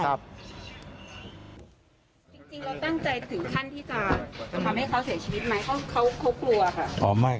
จริงเราตั้งใจถึงท่านที่จะทำให้เขาเสียชีวิตไหม